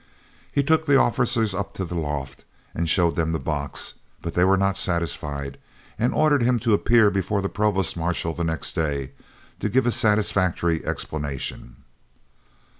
He took the officers up to the loft and showed them the box, but they were not satisfied, and ordered him to appear before the Provost Marshal the next day, to give a satisfactory explanation.